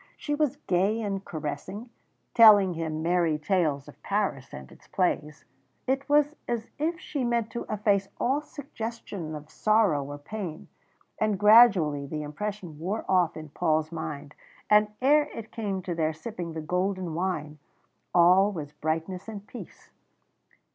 She was gay and caressing, telling him merry tales of Paris and its plays. It was as if she meant to efface all suggestion of sorrow or pain and gradually the impression wore off in Paul's mind, and ere it came to their sipping the golden wine, all was brightness and peace.